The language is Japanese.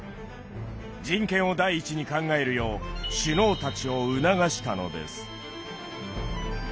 人権を第一に考えるよう首脳たちを促したのです。